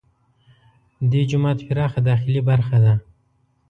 دې جومات پراخه داخلي برخه ده.